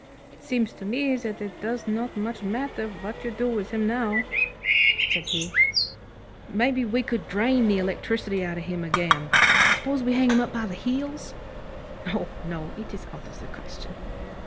"It seems to me that it does not much matter what you do with him now," said he. "Maybe we could drain the electricity out of him again. Suppose we hang him up by the heels?" "No, no, it's out of the question."